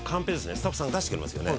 スタッフさんが出してくれますよね